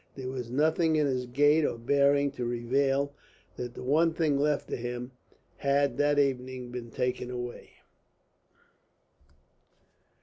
There was nothing in his gait or bearing to reveal that the one thing left to him had that evening been taken away.